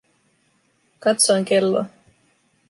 Katsoin kelloa.